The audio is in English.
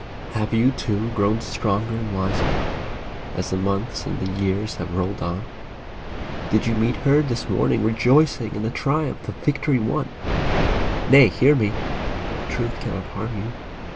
Have you, too, grown stronger and wiser, as the months and the years have rolled on ? Did you meet her this morning rejoicing in the triumph of victory won ? Nay, hear me ! The truth cannot harm you.